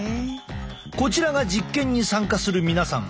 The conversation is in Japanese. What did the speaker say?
こちらが実験に参加する皆さん。